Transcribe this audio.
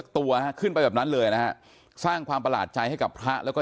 ตัวขึ้นไปแบบนั้นเลยนะฮะสร้างความประหลาดใจให้กับพระแล้วก็